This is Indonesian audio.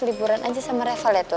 liburan aja sama reva leh tuh